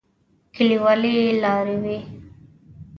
کليوالي لارې وې.